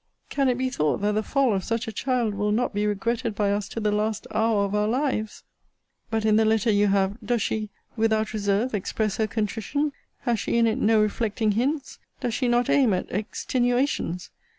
Can it be thought that the fall of such a child will not be regretted by us to the last hour of our lives? But, in the letter you have, does she, without reserve, express her contrition? Has she in it no reflecting hints? Does she not aim at extenuations?